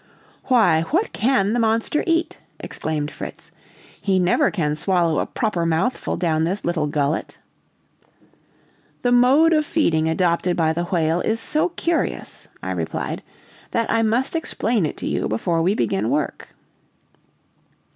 "Why, what can the monster eat?" exclaimed Fritz; "he never can swallow a proper mouthful down this little gullet!" "The mode of feeding adopted by the whale is so curious," I replied, "that I must explain it to you before we begin work.